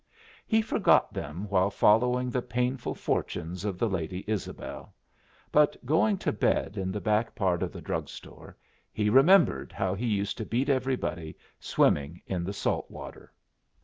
He forgot them while following the painful fortunes of the Lady Isabel; but, going to bed in the back part of the drug store, he remembered how he used to beat everybody swimming in the salt water.